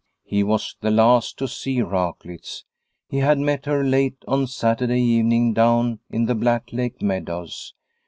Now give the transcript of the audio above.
He was the last to see Raklitz. He had met her late on Saturday evening down in the Black Lake meadows.